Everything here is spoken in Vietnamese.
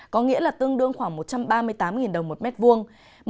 có nghĩa là tương đương khoảng một trăm ba mươi tám đồng một m hai